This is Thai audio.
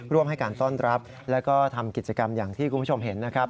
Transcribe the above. ร่วมให้การต้อนรับแล้วก็ทำกิจกรรมอย่างที่คุณผู้ชมเห็นนะครับ